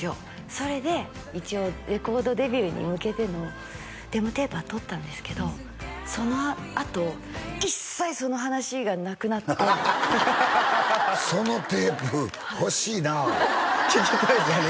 それで一応レコードデビューに向けてのデモテープはとったんですけどそのあと一切その話がなくなってそのテープ欲しいな聴きたいですよね